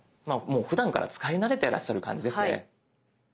もうふだんから使い慣れてらっしゃる感じですね。